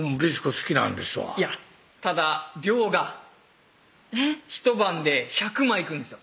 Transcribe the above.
好きなんですわいやただ量がえっ一晩で１００枚いくんですよ